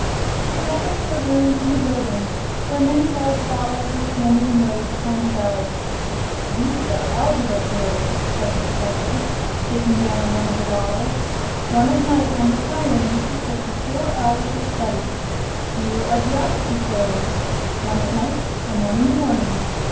He led them to a room in the building where many large bottles were standing in rows upon shelves. "These are the Algebra Pills," said the Professor, taking down one of the bottles. "One at night, on retiring, is equal to four hours of study. Here are the Geography Pills one at night and one in the morning.